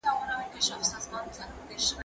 زه کتابتون ته تللی دی؟!